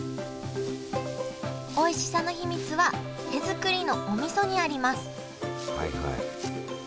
おいしさの秘密は手作りのおみそにあります